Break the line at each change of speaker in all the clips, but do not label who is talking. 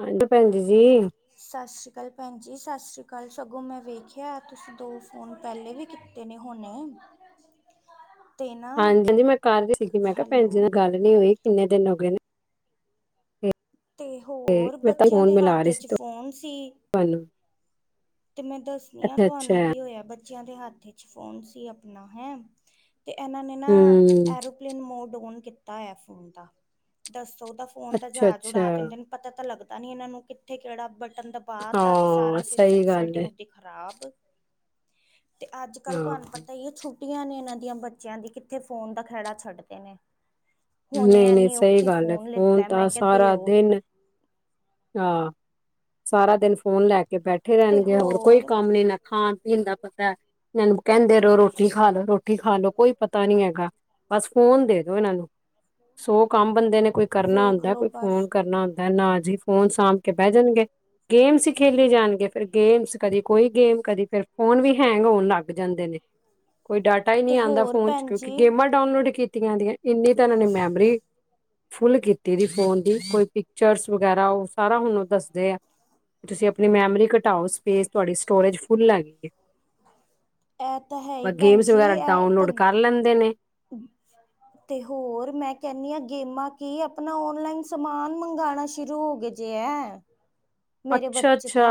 ਹਾਂਜੀ ਪੈਣਜੀ ਜੀ-
ਸਤਿ ਸ਼੍ਰੀ ਅਕਾਲ ਭੈਣ ਜੀ, ਸਤਿ ਸ਼੍ਰੀ ਅਕਾਲ ਸਗੋਂ ਮੈਂ ਵੇਖਿਆ, ਤੁਸੀਂ ਦੋ ਫੋਨ ਪਹਿਲਾਂ ਵੀ ਕੀਤੇ। ਤੇਨ ਹੁਣੇ। ਤੇ ਨਾ
ਹਾਂਜੀ- ਹਾਂਜੀ ਮੈਂ ਕਰ ਦੀਤੀ ਸੀਗੀ, ਮੈਂ ਕਿਹਾ, ਭੈਣ ਜੀ
ਹੈਲੋ
ਨਾਲ ਗੱਲ ਨੀ ਹੋਈ, ਕਿੰਨੇ ਦਿਨ ਹੋ ਗਏ ਨੇ।
ਤੇ ਹੋਰ ਬੱਚਿਆਂ ਦੇ ਹੱਥ ਚ' ਫੋਨ ਸੀ।
ਪਾਲੂ।
ਤੇ ਮੈਂ ਦੱਸਦੀ ਆ
ਅੱਛਾ
ਤੁਹਾਨੂੰ ਕੀ ਹੋਇਆ, ਬੱਚਿਆਂ ਦੇ ਹੱਥ ਚ' ਫੋਨ ਸੀ ਆਪਣਾ ਹੈ। ਤੇ ਇਹਨਾਂ ਨੇ ਨਾ,
ਹਮ
ਐਰੋਪਲੇਨ ਮੋਡ ਓਨ ਕੀਤਾ ਹੈ ਫੋਨ ਦਾ ਦੱਸੋ। ਉਹਦਾ ਫੋਨ ਤਾਂ
ਅੱਛਾ
ਜਾਜ
ਅੱਛਾ
ਉੜਾ ਦਿੰਦੇ ਨੇ, ਪਤਾ ਤਾਂ ਲੱਗਦਾ ਨੀ, ਇਹਨਾਂ ਨੂੰ ਕਿੱਥੇ, ਕਿਹੜਾ ਬਟਨ ਦਾ ਬਾਹਰ ਦਾ ਤੇ ਸਾਰਾ
ਹਾਂ
ਸੀਸ਼
ਸਹੀ ਗੱਲ ਹੈ
ਖਰਾਬ। ਤੇ ਅੱਜ- ਕੱਲ
ਹਾਂ
ਤੁਹਾਨੂੰ ਪਤਾ ਹੀ ਹੈ ਛੁ ਛੁੱਟੀਆਂ ਨੇ ਇਹਨਾਂ ਦੀਆਂ ਬੱਚਿਆਂ ਦੀ, ਕਿੱਥੇ ਫੋਨ ਦਾ ਖੇੜ ਛੱਡਦੇ ਨੇ। ਹੁਣੇ
ਨਹੀਂ ਨਹੀਂ
ਐਨੀ
ਸਹੀ
ਔਖੀ
ਗੱਲ ਹੈ
ਫੋਨ ਲਿੱਤਾ, ਮੈਂ
ਤਾਂ
ਕਿਹਾ
ਸਾਰਾ
ਦਿਓ।
ਦਿਨ ਹਾਂ। ਸਾਰਾ ਦਿਨ ਫੋਨ ਲੈ ਕੇ ਬੈਠੇ ਰਹਿਣਗੇ, ਹੋਰ ਕੋਈ ਕੰਮ ਨੀ ਨਾ। ਖਾਣ -ਪੀਣ ਦਾ ਪਤਾ। ਇਹਨੂੰ ਕਹਿੰਦੇ ਰਹੋ ਰੋਟੀ ਖਾ ਲੋ, ਰੋਟੀ ਖਾ ਲੋ, ਕੋਈ ਪਤਾ ਨੀ ਹੈਗਾ। ਬਸ ਫੋਨ ਦੇ ਦੋ ਇਹਨਾਂ ਨੂੰ, ਸੌ ਕੰਮ ਬੰਦੇ ਨੇ ਕੋਈ ਕਰਨਾ
ਵੇਖ
ਹੁੰਦਾ,
ਲੋ
ਕੋਈ ਫੋਨ
ਬਸ
ਕਰਨਾ ਹੁੰਦਾ। ਨਾ ਜੀ, ਫੋਨ ਸਾਂਭ ਕੇ ਬਹਿ ਜਾਣਗੇ, ਗੇਮਸ ਹੀ ਖੇਲੇ ਜਾਣਗੇ, ਫਿਰ ਗੇਮਸ ਕਦੀ ਕੋਈ ਗੇਮ ਕਦੇ, ਫੇਰ ਫੋਨ ਵੀ ਹੈਂਗ ਹੋਣ ਲੱਗ ਜਾਂਦੇ ਨੇ। ਕੋਈ ਡਾਟਾ ਹੀ
ਤੇ
ਨਹੀਂ ਆਉਂਦਾ
ਹੋਰ
ਫੋਨ ਚ'
ਭੈਣ
ਕਿਉਂਕਿ
ਜੀ
ਗੇਮਾਂ ਡਾਊਨਲੋਡ ਕੀਤੀਆਂ ਦੀਆਂ ਨੇ। ਇੰਨੀ ਤਨਾਂ ਨੇ ਮੈਮਰੀ ਫੁੱਲ ਕੀਤੀ ਸੀ ਫੋਨ ਦੀ, ਕੋਈ ਪਿਕਚਰਸ ਵਗੈਰਾ ਉਹ ਸਾਰਾ ਹੁਣੂੰ ਦੱਸਦੇ ਆ। ਅਤੇ ਤੁਸੀਂ ਆਪਣੀ ਮੈਮਰੀ ਘਟਾਓ, ਸਪੇਸ ਤੁਹਾਡੀ ਸਟੋਰੇਜ ਫੁੱਲ ਹੈ ਗਈ ਹੈ।
ਇਹ ਤਾਂ ਹੈ ਹੀ ਭੈਣ
ਗੇਮਸ
ਜੀ,
ਵਗੈਰਾ
ਇਹ ਤਾਂ
ਡਾਊਨਲੋਡ ਕਰ ਲੈਂਦੇ ਨੇ
ਤੇ ਹੋਰ, ਮੈਂ ਕਹਿੰਦੀ ਹਾਂ ਗੇਮਾਂ ਕੀ ਆਪਣਾ, ਓਨਲਾਈਨ ਸਮਾਨ ਮੰਗਵਾਉਣਾ ਸ਼ੁਰੂ ਹੋ ਗਏ। ਜੇ ਹੈਂ
[inaudible]
ਮੇਰੇ ਬੱਚੇ
ਅੱਛਾ
ਦਾ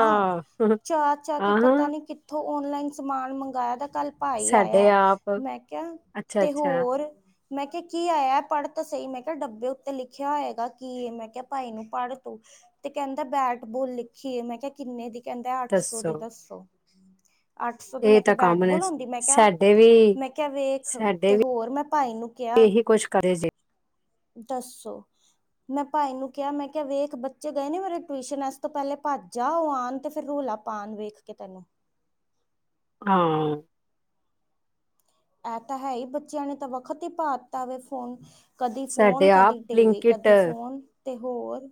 ਚਾਅ- ਚਾ ਕੇ
ਹਾਂ
ਪਤਾ
ਹਾਂ
ਨੀ ਕਿ ਉਥੋਂ ਔਨਲਾਈਨ ਸਮਾਨ ਮੰਗਾਇਆ ਤਾਂ ਕੱਲ ਭਾਈ
ਸਾਡੇ
ਆਇਆ।
ਆਪ
ਮੈਂ ਕਿਹਾ,
ਅੱਛਾ
ਤੇ
ਅੱਛਾ
ਹੋਰ ਮੈਂ ਕਿਹਾ ਕੀ ਆਇਆ, ਪੜ੍ਹ ਤਾ ਸਹੀ, ਮੈਂ ਕਿਹਾ, ਡੱਬੇ ਉੱਤੇ ਲਿਖਿਆ ਹੋਏਗਾ ਕੀ ਇਹ, ਮੈਂ ਕਿਹਾ, ਭਾਈ ਨੂੰ ਪੜ੍ਹ ਤੂੰ। ਤੇ ਕਹਿੰਦਾ ਬੈਟ ਬੋਲ ਲਿਖੀਏ, ਮੈਂ ਕਿਹਾ ਕਿੰਨੇ ਦੀ ਕਹਿੰਦਾ ਅੱਠ ਸੌ ਦੀ ਦੱਸੋ, ਅੱਠ ਸੌ ਦੀ
ਇਹ
ਮੈਂ
ਤਾਂ ਕਾਮਨ ਹੈ।
ਬੈਟਬੋਲ ਹੁੰਦੀ, ਮੈਂ ਕਿਹਾ
ਸਾਡੇ ਵੀ
ਮੈਂ ਕਿਹਾ ਵੇਖ,
ਸਾਡੇ
ਤੇ
ਵੀ
ਹੋਰ ਮੈਂ ਭਾਈ ਨੂੰ ਕਿਹਾ
ਇਹੀ ਕੁਛ ਕਰੇ ਜੇ
ਦੱਸੋ। ਮੈਂ ਭਾਈ ਨੂੰ ਕਿਹਾ ਮੈਂ ਕਿਹਾ ਵੇਖ, ਬੱਚੇ ਗਏ ਨੇ ਮੇਰੇ ਟਿਊਸ਼ਨ, ਇਸ ਤੋਂ ਪਹਿਲੇ ਭੱਜ ਆ ਉਹ ਆਉਣ ਤੇ ਫਿਰ ਰੋਲਾ ਪਾਨ ਵੇਖ ਕੇ ਤੈਨੂੰ।
ਹਾਂ।
ਇਹ ਤਾਂ ਹੈ ਹੀ, ਬੱਚਿਆਂ ਨੇ ਤਾਂ ਵਖਤ ਹੀ ਪਾ ਦਿੱਤਾ ਵੀ ਫੋਨ ਕਦੀ ਫੋਨ,
ਸਾਡੇ ਆਪ
ਕਦੀ ਟੀਵੀ,
ਬਲਿੰਕਿਟ
ਕਦੀ
ਕਦੇ
ਫੋਨ ਤੇ ਹੋਰ।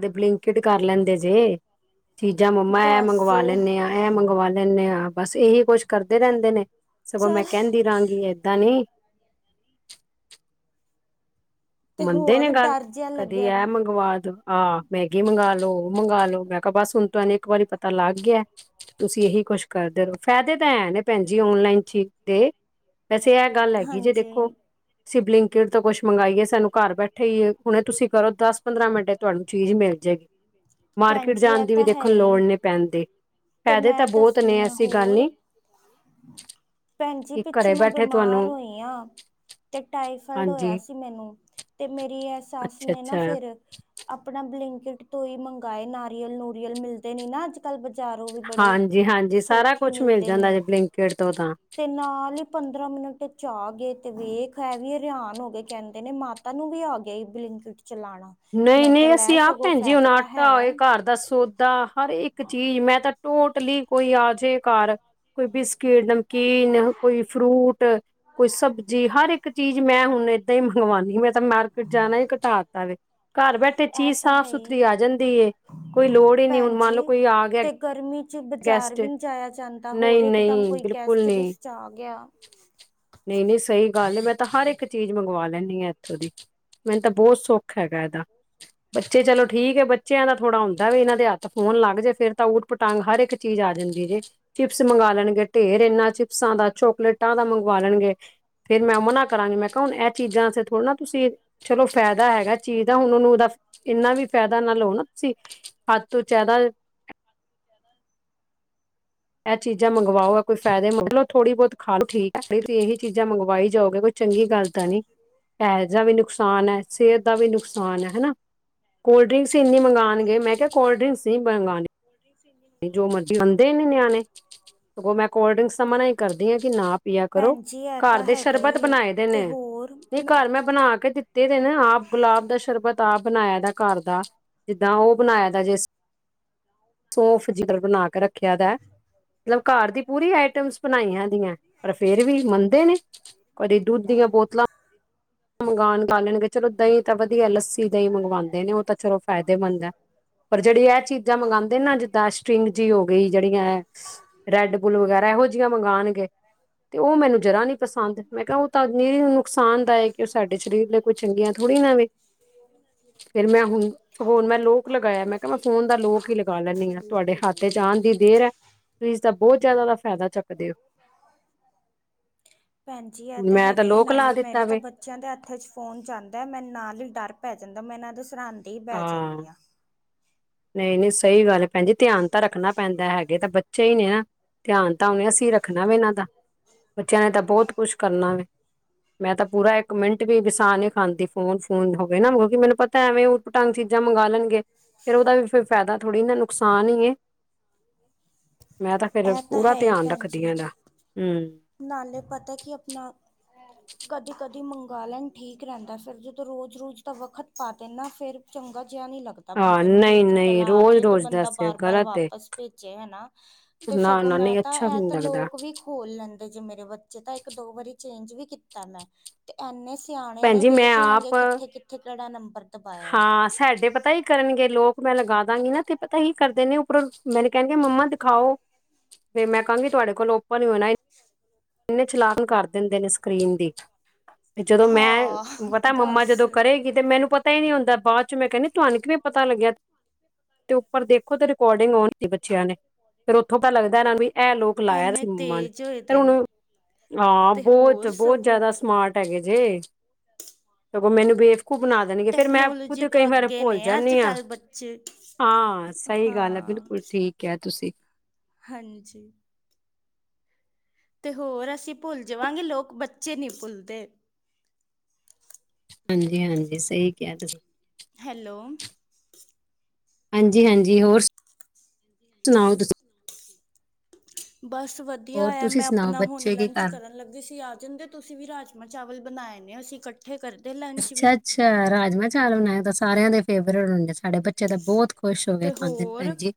ਕੀ ਬਲਿੰਕਟ ਕਰ ਲੈਂਦੇ ਜੇ। ਚੀਜ਼ਾਂ ਮੰਮਾ ਇਹ
ਦੱਸ
ਮੰਗਵਾ ਲੈਂਦੇ ਹਾਂ, ਇਹ ਮੰਗਵਾ ਲੈਂਦੇ ਹਾਂ, ਬਸ ਇਹੀ ਕੁਛ ਕਰਦੇ ਰਹਿੰਦੇ ਨੇ। ਸਗੋਂ ਮੈਂ
ਚੱਲ
ਕਹਿੰਦੀ ਰਹਾਂਗੀ, ਏਦਾਂ ਨਹੀਂ।
ਤੇ
ਮੰਨਦੇ ਨੇ
ਹੋਰ
ਗੱਲ,
ਡਰ ਜਿਹਾ
ਕਦੇ
ਲੱਗਿਆ
ਐ
ਰ
ਮੰਗਵਾ ਦੋ। ਆਹ! ਮੈਗੀ ਮੰਗ ਲੋ, ਉਹ ਮੰਗ ਲੋ, ਮੈਂ ਕਿਹਾ ਬਸ ਹੁਣ ਤ ਇਹਨੂੰ ਇੱਕ ਵਾਰੀ ਪਤਾ ਲੱਗ ਗਿਆ। ਤੁਸੀਂ ਇਹੀ ਕੁਛ ਕਰਦੇ ਰਹੋ। ਫਾਇਦੇ ਤਾਂ ਐਂ ਨੇ ਭੈਣ ਜੀ ਓਨਲਾਈਨ ਚੀਜ ਦੇ। ਵੈਸੇ ਇਹ ਗੱਲ ਹੈਗੀ ਜੇ
ਹਾਂਜੀ
ਦੇਖੋ, ਸ਼ਿਵਲਿੰਗ ਤੋਂ ਕੁੱਛ ਮੰਗਾਈਏ। ਸਾਨੂੰ ਘਰ ਬੈਠੇ ਹੀਏ, ਹੁਣੇ ਤੁਸੀਂ ਕਰੋ, ਦਸ- ਪੰਦਰਾਂ ਮਿੰਟ ਤੁਹਾਨੂੰ ਚੀਜ਼ ਮਿਲ ਜਾਏਗੀ।
ਭੈਣ
ਮਾਰਕੀਟ
ਜੀ
ਜਾਣ
ਇਹ
ਦੀ ਵੀ
ਤਾਂ ਹੈ
ਦੇਖੋ ਲੋੜ
ਹੀ
ਨਹੀਂ ਪੈਂਦੀ।
ਤੇ
ਫਾਇਦੇ ਤਾਂ
ਮੈਂ
ਬਹੁਤ ਨੇ
ਦੱਸਨੀ ਆ
ਐਸੀ ਗੱਲ
ਹੋਰ
ਨੀ
ਭੈਣ ਜੀ
ਕਿ
ਪਿੱਛੇ
ਘਰੇ
ਮੈਂ
ਬੈਠੇ ਤੁਹਾਨੂੰ
ਬਿਮਾਰ ਹੋਈ ਹਾਂ ਤੇ ਟਾਈਫਾਈਡ ਹੋਇਆ
ਹਾਂਜੀ
ਸੀ, ਮੈਨੂੰ ਤੇ ਮੇਰੀ ਇਹ ਸਸ
ਅੱਛਾ
ਨੇ ਨਾ
ਅੱਛਾ
ਫੇਰ ਅਪ ਆਪਣਾ ਬਲਿੰਕਟ ਤੋਂ ਹੀ ਮੰਗਵਾਏ ਨਾਰੀਅਲ ਨੂਰੀਅਲ ਮਿਲਦੇ ਨੀ ਨਾ ਅੱਜ ਕੱਲ੍ਹ ਬਜਾਰੋ ਵੀ ਬੜੇ
ਹਾਂਜੀ ਹਾਂਜੀ ਸਾਰਾ
ਸੌਖੀ
ਕੁਛ ਮਿਲ
ਮਿਲਦੇ
ਜਾਂਦਾ
ਨੇ
ਜੇ ਬਲਿੰਕਟ ਤੋਂ ਤਾਂ
ਤੇ ਨਾਲ ਹੀ ਪੰਦਰਾਂ ਮਿੰਟ ਚ ਆ ਗੇ ਤੇ ਵੇਖ ਹੈ ਵੀ ਹੈਰਾਨ ਹੋ ਗਏ ਕਹਿੰਦੇ ਨੇ ਮਾਤਾ ਨੂੰ ਵੀ ਆ ਗਿਆ ਬਲਿੰਕਿਟ ਚਲਾਉਣਾ
ਨਹੀਂ ਨਹੀਂ ਅਸੀਂ ਆਪ ਭੈਣ ਜੀ ਹੁਣ ਆਟਾ ਹੋਏ ਘਰ ਦਾ ਸੋ ਦਾ ਹਰ ਇੱਕ ਚੀਜ਼ ਮੈਂ ਤਾਂ ਟੋਟਲੀ ਕੋਈ ਆ ਜੇ ਘਰ ਕੋਈ ਬਿਸਕਿਟ, ਨਮਕੀਨ, ਕੋਈ ਫਰੂਟ, ਕੋਈ ਸਬਜ਼ੀ ਹਰ ਇੱਕ ਇੱਕ ਚੀਜ਼ ਮੈਂ ਹੁਣ ਏਦਾਂ ਹੀ ਮੰਗਵਾਉਣੀ ਮੈਂ ਤਾਂ ਮਾਰਕੀਟ ਜਾਣਾ ਹੀ ਘਟਾਤਾ ਵੇ। ਘਰ ਬੈਠੇ
ਇਹ
ਚੀਜ਼
ਤਾਂ
ਸਾਫ਼
ਹੈ
ਸੁਥਰੀ
ਹੀ
ਆ ਜਾਂਦੀ ਏ। ਕੋਈ ਲੋੜ ਹੀ ਨੀ ਹੁਣ
ਭੈਣ
ਮੰਨ
ਜੀ
ਲਓ ਕੋਈ ਆ ਗਿਆ
ਤੇ ਗਰਮੀ ਚ ਬਾਜ਼ਾਰ
ਗੈਸਟ
ਵੀ ਨਹੀਂ ਜਾਇਆ ਜਾਂਦਾ ਹੋਰ
ਨਹੀਂ
ਇਕਦਮ
ਨਹੀਂ
ਕੋਈ
ਬਿਲਕੁਲ
ਗੈਸਟ ਗੁਸਟ ਆ ਗਿਆ
ਨਹੀਂ-ਨਹੀਂ ਸਹੀ ਗੱਲ ਮੈਂ ਤਾਂ ਹਰ ਇੱਕ ਚੀਜ਼ ਮੰਗਵਾ ਲੈਂਦੀ ਹਾਂ ਇੱਥੋਂ ਦੀ। ਮੈਨੂੰ ਤਾਂ ਬਹੁਤ ਸੁੱਖ ਹੈਗਾ ਇਹਦਾ ਬੱਚੇ ਚਲੋ ਠੀਕ ਹੈ ਬੱਚਿਆਂ ਦਾ ਥੋੜਾ ਹੁੰਦਾ ਦਾਂ ਵੀ ਇਹਨਾਂ ਦੇ ਹੱਥ ਫੋਨ ਲੱਗ ਜਾਏ ਫਿਰ ਤਾਂ ਊਟ ਪਟਾਂਗ ਹਰ ਇੱਕ ਚੀਜ਼ ਆ ਜਾਂਦੀ ਜੇ ਚਿਪਸ ਮੰਗਵਾ ਲੈਣਗੇ ਢੇਰ ਇਨਾਂ ਚਿਪਸਾਂ ਦਾ ਚੋਕਲੇਟਾਂ ਦਾ ਮੰਗਵਾ ਲੈਣਗੇ ਇਹ ਫੇਰ ਮੈਂ ਉਹ ਮਨਾਂ ਕਰਾਂਗੀ ਮੈਂ ਕਿਹਾ ਹੁ ਇਹ ਚੀਜ਼ਾਂ ਵਾਸਤੇ ਥੋੜਾ ਨਾ ਤੁਸੀਂ ਚਲੋ ਫਾਇਦਾ ਹੈਗਾ ਚੀਜ਼ ਦਾ ਹੁਣ ਉਹਨੂੰ ਉਹਦਾ ਇੰਨਾ ਵੀ ਫਾਇਦਾ ਨਾ ਲਓ ਨਾ ਤੂਸੀ। ਹੱਥ ਤੋਂ ਜਿਆਦਾ ਇਹ ਚੀਜ਼ਾਂ ਮੰਗਵਾਓ ਆ ਕੋਈ ਫਾਇਦੇ ਮੰਲੋ ਥੋੜ੍ਹੀ ਬਹੁਤ ਖਾ ਲੋ ਕ ਇਹੀ ਚੀਜ਼ਾਂ ਮੰਗਵਾਈ ਜਾਓਗੇ ਕੋਈ ਚੰਗੀ ਗੱਲ ਤਾਂ ਨੀ ਪੈਸੇ ਦਾ ਵੀ ਨੁਕਸਾਨ ਹੈ ਸਿਹਤ ਦਾ ਵੀ ਨੁਕਸਾਨ ਹੈ ਹਨਾ। ਕੋਲਡ ਡਰਿੰਕਸ ਇੰਨੀ ਮੰਗਉਣਗੇ ਮੈਂ ਕਿਹਾ ਕੋਲਡ ਡਰਿੰਕਸ ਨਹੀਂ ਮੰਗਉਣ ਜੋ ਮਰਜੀ ਮੰਣਦੇ ਹੀ ਨੀ ਨਿਆਣੇ। ਸਗੋ ਮੈਂ ਕੋਲਡ ਡ੍ਰਿੰਕਸ ਦਾ ਮਨਾ ਹੀ ਕਰਦੀ ਹਾਂ ਕਿ ਨਾ ਪਿਆ ਕਰੋ।
ਭੈਣ ਜੀ ਇਹ
ਘਰ
ਤਾਂ
ਦੇ
ਹੈਗਾ
ਸ਼ਰਬਤ
ਹੀ ਏ
ਬਣਾਏ ਦੇ
ਤੇ
ਨੇ
ਹੋਰ
ਨਹੀਂ ਘਰ ਮੈਂ ਬਣਾ ਕੇ ਦਿੱ ਤੇ ਨਾ ਆਪ ਗੁਲਾਬ ਦਾ ਸ਼ਰਬਤ ਆਪ ਬਣਾਇਆ ਦਾ ਘਰ ਦਾ ਜਿੱਦਾਂ ਉਹ ਬਣਾਇਆ ਦਾ ਜਿਸ- ਸੋਫ ਜਿੱਧਰ ਬਣਾ ਕੇ ਰੱਖਿਆ ਦਾ ਮਤਲੱਬ ਘਰ ਦੀ ਪੂਰੀ ਆਈਟਮਸ ਬਣਾਈਆਂ। [inaudible] ਫਿਰ ਵੀ ਮੰਨਦੇ ਨੇ ਕਦੀ ਦੁੱਧ ਦੀਆਂ ਬੋਤਲਾਂ ਮੰਗਾਉਣ ਲੈਣਗੇ ਚਲੋ ਦਹੀਂ ਤਾਂ ਵਧੀਆ ਲੱਸੀ ਦਹੀਂ ਮੰਗਵਾਉਂਦੇ ਨੇ ਉਹ ਤਾਂ ਚਲੋ ਫਾਇਦੇਮੰਦ ਏ। ਪਰ ਜਿਹੜੀ ਇਹ ਚੀਜ਼ਾਂ ਮੰਗਾਉਂਦ ਜਿੱਦਾਂ ਸਟਿੰਗ ਜਿ ਹੋ ਗਈ। ਜਿਹੜੀਆਂ ਹੈ ਰੈਡ ਬੁਲ ਵਗੈਰਾ ਇਹੋ ਜਿਹੀਆਂ ਮੰਗਾਉਣਗੇ। ਤੇ ਉਹ ਮੈਨੂੰ ਜਰਾ ਨੀ ਪਸੰਦ, ਮੈਂ ਕਿਹਾ ਉਹ ਤਾਂ ਨੁਕਸਾਨ ਦਾਇਕ ਉਹ ਸਾਡੇ ਸਰੀਰ ਲਈ ਕੋਈ ਚੰਗੀਆਂ ਥੋੜ੍ਹੀ ਨਾ ਐਵੇਂ। ਫਿਰ ਮੈਂ ਹੁਣ ਸਗੋਂ ਹੁਣ ਮੈਂ ਲੋਕ ਲਗਾਇਆ ਮੈਂ ਕਿਹਾ ਮੈਂ ਫੋਨ ਦਾ ਲੋਕ ਹੀ ਲੱ ਕਹਿਨੀ ਹਾਂ ਤੁਹਾਡੇ ਹੱਥ ਚ ਆਉਣ ਦੀ ਦੇਰ ਹੈ। ਤੁਸੀਂ ਇਸਦਾ ਬਹੁਤ ਜਿਆਦਾ ਦਾ ਫਾਇਦਾ ਚੁੱਕ- ਦਿਓ।
ਭੈਣ ਜੀ ਇਹ
ਮੈਂ ਤਾਂ
ਹੈਗਾ ਹੀ
ਲੋਕ ਲਾ
ਨਾਲੇ
ਦਿੱਤਾ
ਮੇਰੇ ਤਾਂ
ਵੇ
ਬੱਚਿਆਂ ਦੇ ਹੱਥ ਚ ਫੋਨ ਜਾਂਦਾ ਹੈ। ਮੈਨੂੰ ਨਾਲ ਹੀ ਡਰ ਪੈ ਜਾਂਦਾ, ਮੈਂ ਇਹਨਾਂ ਦੇ ਸਰਹਾਂਦੇ ਹੀ ਬਹਿ ਜਾਂਦੀ ਹਾਂ।
ਨਹੀਂ ਨਹੀਂ ਸਹੀ ਗੱਲ ਭੈਣ ਜੀ ਧਿਆਨ ਤਾਂ ਰੱਖਣਾ ਪੈਂਦਾ ਹੈਗੇ ਤਾਂ ਬ -ਚੇ ਹੀ ਨੇ ਧਿਆਨ ਤਾਂ ਹੂਣੇ ਅਸੀਂ ਰੱਖਣਾ ਵੇ ਇਹਨਾਂ ਦਾ। ਬੱਚਿਆਂ ਨੇ ਤਾਂ ਬਹੁਤ ਕੁਛ ਕਰਨਾ ਵੇ। ਮੈਂ ਤਾਂ ਪੂਰਾ ਇੱਕ ਮਿੰਟ ਵੀ ਬਸਾ ਨੀ ਖਾਂਦੀ ਫੋਨ ਫੋਨ ਹੋ ਗਏ ਨਾ ਕਿਉਕਿ ਮੈਨੂੰ ਪਤਾ ਐਵੇਂ ਉਟ ਭਟੰਗ ਚੀਜ਼ਾਂ ਮੰਗ ਲਣਗੇ ਫੇਰ ਉਹਦਾ ਫੇਰ ਫਾਇਦਾ ਥੋੜ੍ਹੀ ਨਾ ਨੁਕਸਾਨ ਹੀ ਏ। ਮੈਂ ਤਾਂ ਫੇਰ
ਇਹ ਤਾਂ
ਪੂਰਾ
ਹੈ ਹੀ
ਧਿਆਨ
ਭੈਣ
ਰੱਖਦੀ
ਜੀ
ਹਾਂ ਇਹਦਾ ਹਮ
ਨਾਲੇ ਤੇ ਪਤਾ ਕਿ ਆਪਣਾ ਕਦੇ-ਕਦੀ ਮੰਗਾ ਲੈਣ ਠੀਕ ਰਹਿੰਦਾ ਫੇਰ ਜਦੋਂ ਰੋਜ਼ ਰੋਜ਼ ਦਾ ਵਕਤ ਪਾ ਦਿੰਨ ਨਾ ਫਿਰ ਚੰਗਾ ਜਿਹਾ ਨਹੀਂ ਲੱਗਦਾ ਤਾਂ
ਹਾਂ
ਬੰਦੇ ਨੂੰ
ਨਹੀਂ
ਬਲਿੰਕਟ
ਨਹੀਂ
ਆਲਾ ਆ
ਰੋਜ਼
ਜੇ ਤੇ
ਰੋਜ਼
ਬੰਦਾ
ਦੱਸ
ਬਾਰ ਬਾਰ
ਗ਼ਲਤ ਏ
ਵਾਪਸ ਭੇਜੇ ਹਨਾ। ਤੇ
ਨਾ
ਸਗੋਂ
ਨਾ
ਮੈਂ
ਨਹੀਂ
ਤਾਂ
ਅੱਛਾ ਵੀ
ਇਹ
ਨੀ
ਤਾਂ
ਲੱਗਦਾ
ਲੋਕ ਵੀ ਖੋਲ ਲੈਂਦੇ ਜੇ ਮੇਰੇ ਬੱਚੇ ਤਾਂ ਇੱਕ ਦੋ ਵਾਰੀ ਚੇਂਜ ਵੀ ਕੀਤਾ ਮੈਂ। ਤੇ ਇੰਨੇ ਸਿਆਣੇ
ਭੈਣ
ਨੇ
ਜੀ ਮੈਂ
ਵੇਖ ਲੈਣਗੇ
ਆਪ
ਕਿੱਥੇ ਕਿੱਥੇ ਕਿਹੜਾ ਨੰਬਰ। ਦਬਾਇਆ।
ਹਾਂ ਸਾਡੇ ਪਤਾ ਈ ਕਰਨਗੇ ਲੋਕ ਮੈਂ ਲਗਾ ਦਾਂਗੀ ਨਾ ਤੇ ਪਤਾ ਹੀ ਕਰਦੇ ਨੇ ਉਪਰੋਂ ਮੈਨੂੰ ਕਹਿਣਗੇ ਮੰਮਾ ਦਿਖਾਓ। ਫਿਰ ਮੈਂ ਕਹਾਂਗੀ ਤੁਹਾਡੇ ਕੋਲ ਓਪਨ ਨਹੀ ਹੋਣਾ ਇਹ।
[unintelligible]
ਕਿੰਨੇ ਚਲਾਕ ਕਰ ਦਿੰਦੇ ਨੇ ਸਕਰੀਨ ਦੀ। ਤੇ ਜਦੋਂ ਮੈਂ,
ਹਾਂ
ਪਤਾ ਮੰਮਾ
ਦੱਸ
ਜਦੋਂ ਕਰੇਗੀ ਤੇ ਮੈਨੂੰ ਪਤਾ ਪਤਾ ਹੀ ਨੀ ਹੁੰਦਾ ਬਾਅਦ 'ਚ ਮੈਂ ਕਹਿੰਦੀ ਤੁਹਾਨੂੰ ਵੀ ਪਤਾ ਲੱਗਿਆ। ਤੇ ਉੱਪਰ ਦੇਖੋ ਤੇ ਰਿਕਾਰਡਿੰਗ ਔਨ ਸੀ ਬੱਚਿਆਂ ਨੇ, ਫਿਰ ਉਥੋਂ ਪਤਾ ਲੱਗਦਾ ਇਹਨਾ ਵੀ ਇਹ ਲੋਕ ਲਾਇਆ
ਐਨੇ
ਸੀ ਮੰਮਾ ਨੇ,
ਤੇਜ਼ ਹੋਏ
ਫਿਰ
ਦੇ ਨੇ।
ਹੁਣ ਹਾਂ
ਤੇ
ਬਹੁਤ
ਹੋਰ
ਬਹੁਤ
ਸਗੋਂ
ਜਿਆਦਾ ਸਮਾਰਟ ਹੈਗੇ ਜੇ, ਸਗੋਂ ਮੈਨੂੰ ਬੇਵ ਬੇਵਕੂਫ ਬਣਾ ਦੇਣਗੇ ਫਿਰ ਮੈਂ ਖੁੱਦ
ਟੈਕਨੋਲੋਜੀ
ਕਈ
ਤੋਂ
ਵਾਰ
ਅੱਗੇ
ਭੁੱਲ
ਨੇ
ਜਾਨੀ ਆ।
ਅੱਜ-ਕੱਲ੍ਹ ਬੱਚੇ।
ਹਾਂ ਸਹੀ ਗੱਲ ਹੈ
ਹਾਂ
ਬਿਲਕੁਲ ਠੀਕ ਕਿਹਾ ਤੁਸੀਂ।
ਹਾਂਜੀ ਤੇ ਹੋਰ ਅਸੀਂ ਭੁੱਲ ਜਾਵਾਂਗੇ ਲੋਕ ਬੱਚੇ ਨਹੀਂ ਭੁੱਲਦੇ।
ਹਾਂਜੀ-ਹਾਂਜੀ ਸਹੀ ਕਿਹਾ ਤੁਸੀਂ।
ਹੈਲੋ
ਹਾਂਜੀ-ਹਾਂਜੀ ਹੋਰ, ਸੁਣਾਓ ਤੁਸੀਂ।
ਬਸ ਵਧੀਆ
ਹੋਰ
ਹੈ
ਤੁਸੀਂ
ਮੈਂ
ਸੁਣਾਓ
ਆਪਣਾ ਹੁਣ
ਬੱਚੇ ਕੀ
ਲੰਚ
ਕਰ
ਕਰਨ ਲੱਗੀ ਸੀ ਆ ਜਾਂਦੇ ਤੁਸੀਂ ਵੀ ਰਾਜਮਾਂਹ ਚਾਵਲ ਬਣਾਏ ਨੇ ਅਸੀਂ ਇਕੱਠੇ ਕਰਦੇ ਲੰਚ ਵੀ।
ਅੱਛਾ-ਅੱਛਾ, ਰਾਜਮਾਂਹ ਚਾਵਲ ਬਣਾਏ ਤਾਂ ਸਾਰਿਆਂ ਦੇ ਫੇਵਰੇਟ ਹੁੰਦੇ ਸਾਡੇ ਬੱ ਬੱਚੇ ਤਾਂ ਬਹੁਤ ਖੁਸ਼ ਹੋ ਗਏ
ਤੇ
ਖਾਂਦੇ
ਹੋਰ
ਭੈਣਜੀ।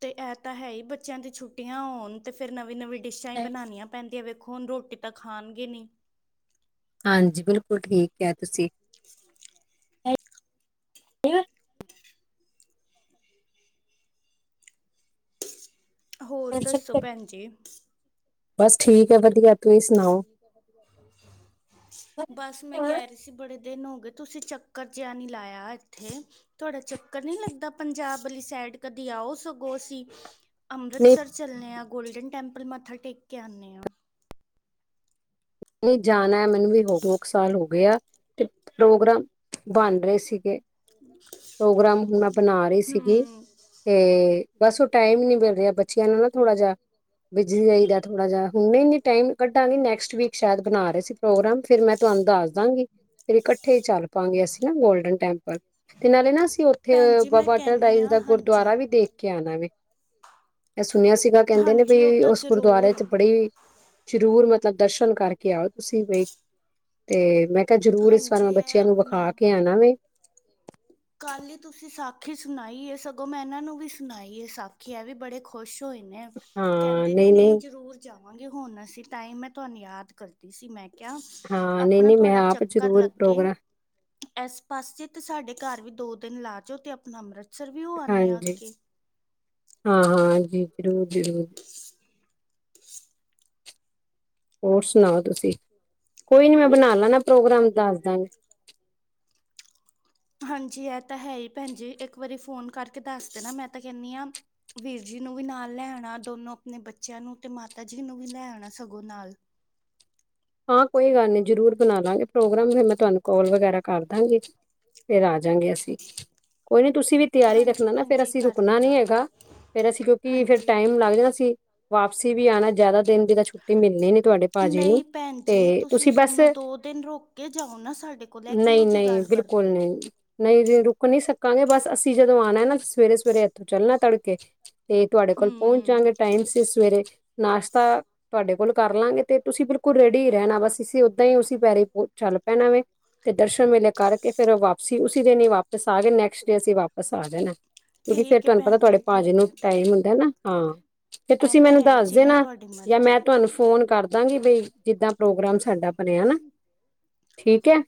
ਤੇ ਐ ਤਾਂ ਹੈ ਹੀ ਬੱਚਿਆਂ ਦੀ ਛੁੱਟੀਆਂ ਹੋਣ ਤੇ ਫਿਰ ਨਵੀਂ ਨਵੀਂ-ਨਵੀਂ ਡਿਸ਼ਾਂ ਹੀ ਬਣਾਉਣੀਆਂ। ਭੈਣ ਜੀ ਆ ਵੇਖੋ ਹੁਣ ਰੋਟੀ ਤਾਂ ਖਾਣਗੇ ਨਹੀਂ।
ਹਾਂਜੀ ਬਿਲਕੁਲ ਠੀਕ ਕਿਹਾ ਤੁਸੀਂ।
[unintelligible]
[unintelligible]
ਹੋਰ ਦੱਸੋ ਭੈਣ ਜੀ?
ਬਸ ਠੀਕ ਆ ਵਧੀਆ। ਤੁਸੀਂ ਸੁਣਾਓ?
ਬਸ ਮੈਂ ਕਹਿ ਰਹੀ ਸੀ ਬੜੇ ਦਿਨ ਹੋ ਗਏ ਤੁਸੀਂ ਚੱਕਰ ਜਿਹਾ ਨਹੀਂ ਲਾਇਆ ਇੱਥੇ। ਤੁਹਾਡਾ ਚੱਕਰ ਨਹੀਂ ਲੱਗਦਾ ਪੰਜਾਬ ਵਾਲੀ ਸਾਈਡ ਕਦੀ ਆਓ ਸਗੋਂ ਅਸੀਂ
ਨਹੀਂ
ਅੰਮ੍ਰਿਤਸਰ ਚੱਲਨੇ ਆ ਗੋਲਡਨ ਟੈਂਪਲ ਮੱਥਾ ਟੇਕ ਕੇ ਆਨੇ ਆ।
ਨਹੀਂ ਜਾਣਾ ਮੈਨੂੰ ਵੀ ਹੋ ਦੋ ਕੁ ਸਾਲ ਹੋ ਗਏ ਆ। ਤੇ ਪ੍ਰੋਗਰਾਮ, ਬਣ ਰਹੇ ਸੀਗੇ। ਪ੍ਰੋਗਰਾਮ ਹੁਣ ਮੈਂ ਬਣਾ ਰਹੀ ਸੀਗੀ।
ਹਮ
ਤੇ, ਬਸ ਉਹ ਟਾਈਮ ਹੀ ਨਹੀਂ ਮਿਲ ਰਿਹਾ ਬੱਚਿਆਂ ਨੂੰ ਨਾ ਥੋੜ੍ਹਾ ਜਿਹਾ ਬਿਜੀ ਹੋਈ ਦਾ ਥੋੜਾ ਜਿਹਾ ਹੁਣ ਨਹੀਂ ਟਾਈਮ ਕੱਡਾਂਗੇ। ਨੇਕਸਟ ਵੀਕ ਸ਼ਾਇਦ ਬਣਾ ਰਹੇ ਸੀ ਪ੍ਰੋਗਰਾਮ ਫਿਰ ਮੈਂ ਤੁਹਾਨੂੰ ਦੱਸ ਦਾਂਗੀ। ਫਿਰ ਇਕੱਠੇ ਹੀ ਚੱਲ ਪਾਂਗੇ ਅਸੀਂ ਨਾ ਗੋਲਡਨ ਟੈਂਪਲ। ਤੇ ਨਾਲੇ ਨਾ ਅਸੀਂ ਉੱਥੇ
ਭੈਣ ਜੀ ਮੈਂ
ਬਾਬਾ ਅਟੱਲ
ਕਹਿੰਦੀ
ਸਾਹਿਬ
ਹਾਂ
ਦਾ
ਹਾਂਜੀ
ਗੁਰੂਦੁਆਰਾ ਵੀ ਦੇਖ ਕੇ ਆਣਾ ਵੇ। ਇਹ ਸੁਣਿਆ ਸੀਗਾ ਕਹਿੰਦੇ ਨੇ ਵੀ
ਹਾਂਜੀ ਉਹ ਤਾਂ
ਉਸ ਗੁਰੂਦੁਆਰੇ
ਜ਼ਰੂਰ
ਤੇ ਬੜੀ, ਜ਼ਰੂਰ ਮਤਲਬ ਦਰਸ਼ਨ ਦਰਸ਼ਨ ਕਰਕੇ ਆਓ ਤੁਸੀਂ ਵੇਖ ਤੇ ਮੈਂ ਕਿਹਾ ਜ਼ਰੂਰ ਇਸ ਵਾਰ
ਹਾਂਜੀ
ਮੈਂ
ਇਹ
ਬੱਚਿਆਂ ਨੂੰ ਵਿਖਾ
ਆਪਣਾ
ਕੇ ਆਣਾ ਵੇ।
ਕੱਲ ਹੀ ਤੁਸੀਂ ਸਾਖੀ ਸੁਣਾਈ ਹੈ ਸਗੋਂ ਮੈਂ ਇਹਨਾਂ ਨੂੰ ਵੀ ਸੁਣਾਈ ਹੈ ਸਾਖੀ ਐ ਵੀ ਬੜੇ ਖੁਸ਼ ਹੋਏ ਨੇ, ਕਹਿੰਦੇ ਨੇ ਨਹੀਂ ਜ਼ਰੂਰ ਜਾਵਾਂਗੇ ਹੁਣ ਅਸੀਂ ਤਾਂ ਹੀ ਮੈਂ ਤੁਹਾਨੂੰ ਯਾਦ ਕਰਦੀ ਸੀ ਮੈਂ ਕਿਹਾ,
ਹਾਂ ਨਹੀਂ
ਆਪਣਾ
ਨਹੀਂ ਮੈਂ
ਤੁਹਾਡਾ
ਆਪ
ਚੱਕ
ਜ਼ਰੂਰ ਪ੍ਰੋਗਰਾਮ
ਇਸ ਪਾਸੇ ਤੇ ਸਾਡੇ ਘਰ ਵੀ ਦੋ ਦਿਨ ਲਾ ਜਾਓ ਤੇ ਆਪਣਾ ਅੰਮ੍ਰਿਤਸਰ ਵੀ ਹੋ ਆਨੇ ਆ ਅੱਗੇ।
ਹਾਂ-ਹਾਂ ਜੀ ਜ਼ਰੂਰ-ਜ਼ਰੂਰ।
[unintelligible]
ਹੋਰ ਸੁਣਾਓ ਤੁਸੀਂ, ਕੋਈ ਨੀ ਮੈਂ ਬਣਾ ਲੈਣਾ ਪ੍ਰੋਗਰਾਮ ਦੱਸ ਦਾਂਗੇ।
ਹਾਂਜੀ ਇਹ ਤਾਂ ਹੈ ਹੀ ਭੈਣ ਜੀ ਇੱਕ ਵਾਰੀ ਫੋਨ ਕਰਕੇ ਦੱਸ ਦੇਣਾ ਮੈਂ ਤਾਂ ਕਹਿੰਦੀ ਹਾਂ ਵੀਰ ਜੀ ਨੂੰ ਵੀ ਨਾਲ ਲੈ ਆਉਣਾ ਦੋਨੋ ਆਪਣੇ ਬੱਚਿਆਂ ਨੂੰ ਤੇ ਮਾਤਾ ਜੀ ਨੂੰ ਵੀ ਲੈ ਆਉਣਾ ਸਗੋਂ ਨਾਲ
ਹਾਂ ਕੋਈ ਗੱਲ ਨੀ ਜਰੂਰ ਬਣਾ ਲਾਂਗੇ ਪ੍ਰੋਗਰਾਮ ਫਿਰ ਮੈਂ ਤੁਹਾਨੂੰ ਕੋਲ ਵਗੈਰਾ ਕਰ ਦਾਂਗੀ ਫਿਰ ਆ ਜਾਂਗੇ ਅਸੀਂ ਕੋਈ ਨਹੀਂ ਤੁਸੀਂ ਵੀ ਤਿਆਰੀ
ਹਾਂਜੀ
ਰੱਖਣਾ ਨਾ
ਭੈਣ
ਫਿਰ
ਜੀ
ਅਸੀਂ
ਕਰ
ਰੁਕਣਾ ਨੀ
ਲੈਣਾ
ਹੈਗਾ। ਫਿਰ ਅਸੀ ਕਿਉਂਕਿ ਫਿਰ
ਹਾਂਜੀ।
ਟਾਈਮ ਲੱਗ ਜਾਂਣਾ ਸੀ ਵਾਪਸੀ ਵੀ ਆਉਣਾ ਜ਼ਿਆਦਾ ਦਿਨ ਦੀ ਤਾਂ ਛੁੱਟੀ ਮਿਲਣੀ ਨੀ ਤੁਹਾਡੇ ਭਾਜੀ ਨੂੰ ਤੇ
ਜੇ ਤੁਸੀ
ਤੁਸੀਂ ਬਸ
ਸੁਣੋ ਦੋ ਦਿਨ ਰੋਕ ਕੇ ਜਾਓ ਨਾ ਸਾਡੇ ਕੋਲ ਲੈ ਕਿਉਹੋ ਜਿਹੀ
ਨਹੀਂ-ਨਹੀਂ
ਗੱਲ
ਬਿਲਕੁਲ
ਕਰਦੇ ਹੋ
ਨਹੀਂ, ਨਹੀਂ ਜੀ ਰੁਕ ਨੀ ਸਕਾਂਗੇ ਬਸ ਅਸੀਂ ਜਦੋਂ ਆਉਣਾ ਨਾ ਸਵੇਰੇ ਸਵੇਰੇ ਇੱਥੋਂ ਚੱਲਣਾ ਤੜਕੇ ਤੇ ਤੁਹਾਡੇ ਕੋਲ ਪਹੁੰਚ
ਹੂੰ
ਜਾਗੇ ਟਾਈਮ ਸੀ ਸਵੇਰੇ ਨਾਸ਼ਤਾ ਤੁਹਾਡੇ ਕੋਲ ਕਰ ਲਾਂਗੇ ਤੇ ਤੁਸੀਂ ਬਿਲਕੁਲ ਰੇਡੀ ਹੀ ਰਹਿਣਾ ਬਸ ਅਸੀ ਓਦਾਂ ਹੀ ਉਸ ਪੈਰੀ ਚੱਲ ਪੈਣਾ ਵੇ ਤੇ ਦਰਸ਼ਨ ਮੇਲੇ ਕਰਕੇ ਫਿਰ ਵਾਪਸੀ ਉਸੀ ਦਿਨ ਹੀ ਵਾਪਿਸ ਆ ਗਏ ਨੈਕਸਟ ਡੇ ਅਸੀਂ ਵਾਪਿਸ ਆ ਜਾਣਾ ਕਿਉਂਕਿ ਫੇਰ
ਠੀਕ ਹੈ
ਤੁਹਾਨੂੰ ਪਤਾ
ਭੈਣ ਜੀ
ਤੁਹਾਡੇ ਪਾਜੇ
ਠੀਕ
ਨੂੰ
ਹੈ।
ਟਾਈਮ ਹੁੰਦਾ ਨਾ ਹਾਂ ਫਰ
ਇਹ
ਤੁਸੀਂ
ਤਾਂ
ਮੈਨੂੰ
ਹੈ ਹੀ,
ਦੱਸਦੇ
ਜਿਵੇਂ
ਨਾ
ਤੁਹਾਡੀ
ਜਾਂ ਮੈਂ
ਮਰਜ਼ੀ
ਤੁਹਾਨੂੰ ਫੋਨ ਕਰਦਾਂਗੀ ਬਈ ਜਿੱਦਾਂ ਪ੍ਰੋਗਰਾਮ ਸਾਡਾ ਬਣਿਆ ਨਾ ਠੀਕ ਹੈ।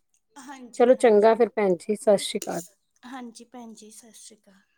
ਚਲੋ ਚੰਗਾ
ਹਾਂਜੀ-ਹਾਂਜੀ। ਹਾਂਜੀ
ਫਿਰ ਭੈਣ ਜੀ ਸਤਿ ਸ੍ਰੀ ਅਕਾਲ
ਹਾਂਜੀ ਭੈਣ ਜੀ ਸਤਿ ਸ਼੍ਰੀ ਅਕਾਲ